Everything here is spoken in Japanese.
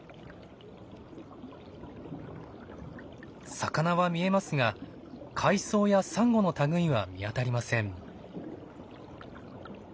魚は見えますが海藻やサンゴの類いは見当たりません。